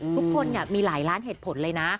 ทุกคนมีหลายล้านเหตุผลเลยนะ